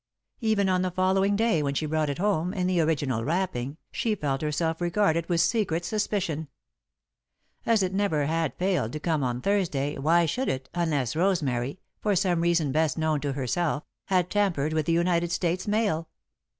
Even on the following day, when she brought it home, in the original wrapping, she felt herself regarded with secret suspicion. As it never had failed to come on Thursday, why should it, unless Rosemary, for some reason best known to herself, had tampered with the United States Mail?